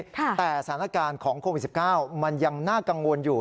แต่สถานการณ์ของโควิด๑๙มันยังน่ากังวลอยู่